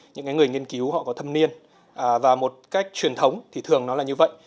những người nghiên cứu họ có thâm niên và một cách truyền thống thì thường nó là như vậy